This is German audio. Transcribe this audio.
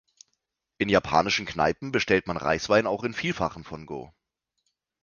In Japanischen Kneipen bestellt man Reiswein auch in vielfachen von Go.